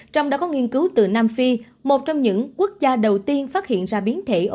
trong đó có nghiên cứu từ nam phi một trong những quốc gia đầu tiên phát hiện ra biến thể ô nhiễm